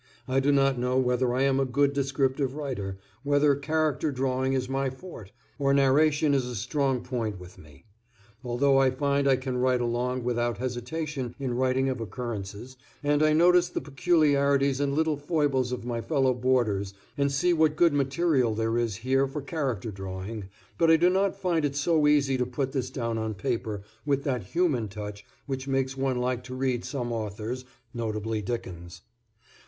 I do not know whether I am a good descriptive writer, whether character drawing is my forte, or narration is a strong point with me, although I find I can write along without hesitation in writing of occurrences, and I notice the peculiarities and little foibles of my fellow boarders and see what good material there is here for character drawing, but I do not find it so easy to put this down on paper with that human touch which makes one like to read some authors, notably Dickens.